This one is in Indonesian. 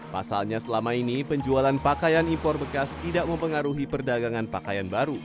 pasalnya selama ini penjualan pakaian impor bekas tidak mempengaruhi perdagangan pakaian baru